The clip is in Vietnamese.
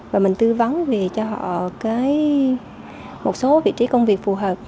và mình tư vấn về cho họ một số vị trí công việc phù hợp